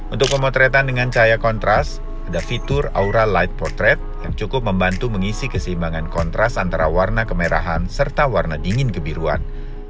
untuk pemotretan dengan cahaya kontras ada fitur aura light potret yang cukup membantu mengisi keseimbangan kontras antara warna kemerahan serta warna dingin kebiruan